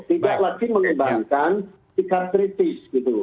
tidak lagi mengembangkan tiga kritis gitu